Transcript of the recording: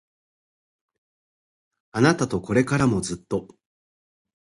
あなたとこれからもずっと